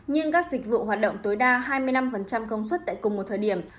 nhưng các dịch vụ hoạt động tối đa hai mươi năm công suất tại cùng một thời điểm